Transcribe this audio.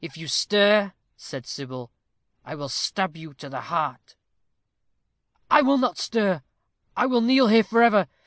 "If you stir," said Sybil, "I stab you to the heart." "I will not stir. I will kneel here forever.